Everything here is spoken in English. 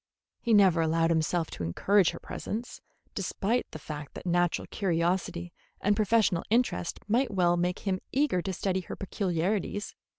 He never allowed himself to encourage her presence, despite the fact that natural curiosity and professional interest might well make him eager to study her peculiarities.